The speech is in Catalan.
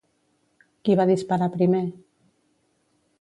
Qui va disparar primer?